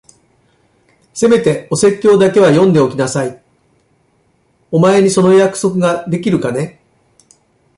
せめてお説教だけは読んでおきなさい。お前にその約束ができるかね？